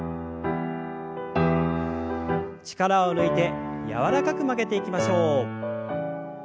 力を抜いて柔らかく曲げていきましょう。